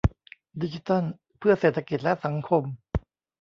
ดิจิทัลเพื่อเศรษฐกิจและสังคม